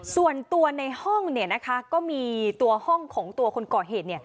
ส่วนตัวในห้องก็มีตัวห้องของตัวคนก่อเหตุ